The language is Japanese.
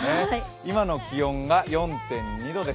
今の気温が４．２度です。